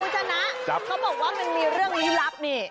คุณชนะเขาบอกว่ามันมีเรื่องลี้ลับนี่